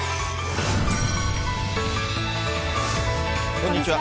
こんにちは。